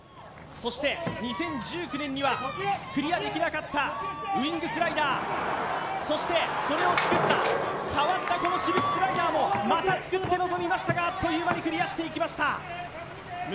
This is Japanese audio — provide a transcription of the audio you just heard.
そして２０１９年にはクリアできなかったウイングスライダーそしてそれを作った変わったこのシルクスライダーもまた作って臨みましたがあっという間にクリアしていきました右！